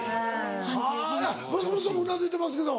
はぁ松本さんもうなずいてますけど。